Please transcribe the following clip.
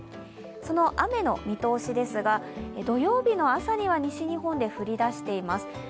その雨の見通しですが土曜日の朝には西日本で降りだしています。